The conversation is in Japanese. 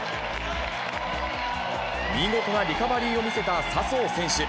見事なリカバリーを見せた笹生選手。